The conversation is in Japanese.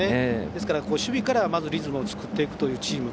ですから、まず守備からリズムを作っていくというチーム。